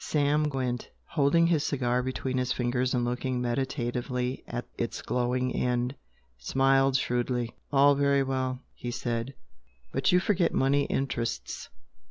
Sam Gwent, holding his cigar between his fingers and looking meditatively at its glowing end, smiled shrewdly. "All very well!" he said "But you forget money interests.